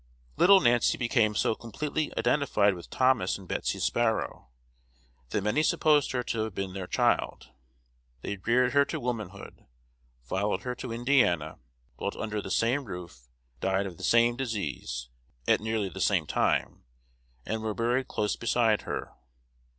Little Nancy became so completely identified with Thomas and Betsy Sparrow that many supposed her to have been their child. They reared her to womanhood, followed her to Indiana, dwelt under the same roof, died of the same disease, at nearly the same time, and were buried close beside her.